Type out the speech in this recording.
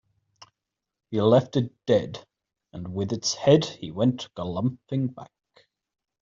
He left it dead, and with its head he went galumphing back.